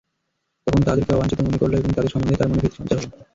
তখন তাদেরকে অবাঞ্ছিত মনে করল এবং তাদের সম্বন্ধে তার মনে ভীতি সঞ্চার হল।